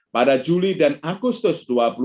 pada juli dan agustus dua ribu dua puluh